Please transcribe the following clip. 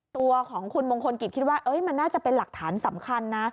ตัวของคุณมงคลกิจคิดว่ามันน่าจะเป็นหลักฐานสำคัญนะ